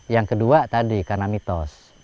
yang kedua tadi karena mitos